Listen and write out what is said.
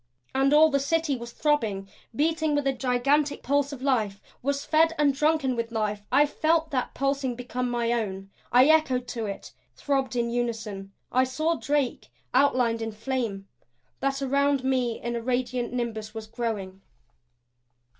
And all the City was throbbing, beating with a gigantic pulse of life was fed and drunken with life. I felt that pulsing become my own; I echoed to it; throbbed in unison. I saw Drake outlined in flame; that around me a radiant nimbus was growing.